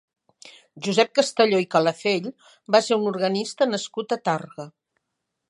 Josep Castelló i Calafell va ser un organista nascut a Tàrrega.